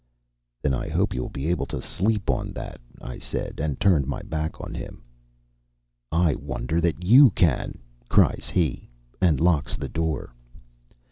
'Then I hope you will be able to sleep on that,' I said, and turned my back on him. 'I wonder that you can,' cries he, and locks the door.